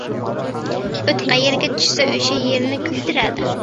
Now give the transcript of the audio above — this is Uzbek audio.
• O‘t qayerga tushsa, o‘sha yerni kuydiradi.